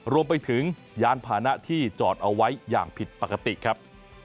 รวมไปถึงยานพานะที่จอดเอาไว้อย่างผิดปกติครับ